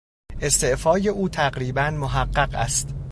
استعفای او تقریبا محقق است.